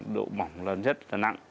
độ mỏng lớn nhất là nặng bảy mươi bốn